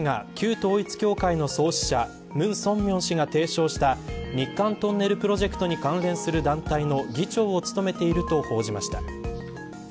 週刊文春はこの中山氏が旧統一教会の創始者が提唱した日韓トンネルプロジェクトに関連する団体の議長を務めていると報じました。